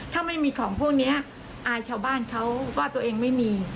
ถ้าไม่มีของพวกนี้อายชาวบ้านเขาว่าตัวเองไม่มี